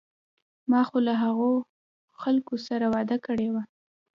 ما خو له هغو خلکو سره وعده کړې وه.